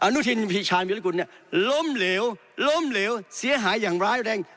นุทินพีชาญวิรกุลเนี่ยล้มเหลวล้มเหลวเสียหายอย่างร้ายแรง